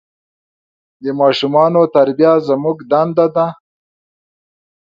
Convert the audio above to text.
د ماشومان تربیه زموږ دنده ده.